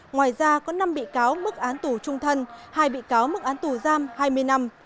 ngoài ra có năm bị cáo mức án tù trung thân hai bị cáo mức án tù giam hai mươi năm